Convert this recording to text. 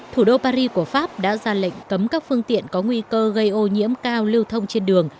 thủ đô paris của pháp đã ra lệnh cấm các phương tiện có nguy cơ gây ô nhiễm cao lưu thông trên đường